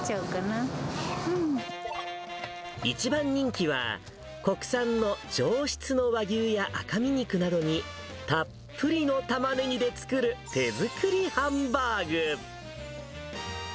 一番人気は、国産の上質の和牛や赤身肉などに、たっぷりのタマネギで作る手作りハンバーグ。